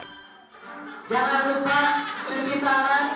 jangan lupa cuci tangan